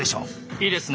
いいですね。